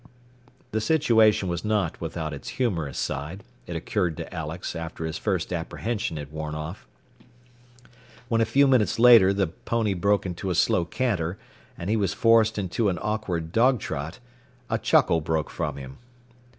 The situation was not without its humorous side, it occurred to Alex after his first apprehension had worn off. When a few minutes later the pony broke into a slow canter, and he was forced into an awkward dog trot, a chuckle broke from him.